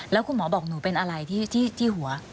แล้วคุณหมอบอกหนูเป็นอะไรที่หัว